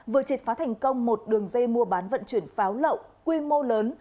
vừa triệt phá thành công một đường dây mua bán vận chuyển pháo lậu quy mô lớn